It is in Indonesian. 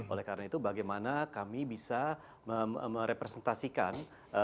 oleh karena itu bagaimana kami bisa merepresentasikan